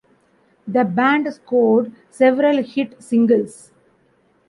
The band scored several hit singles.